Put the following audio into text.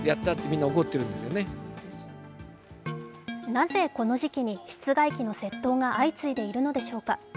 なぜこの時期に室外機の窃盗が相次いでいるのでしょうか。